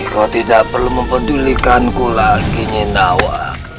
kau tidak perlu mempedulikanku lagi nawa